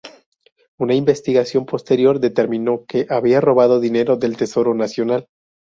Una investigación posterior determinó que había robado dinero del tesoro nacional.